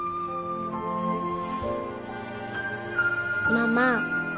ママ。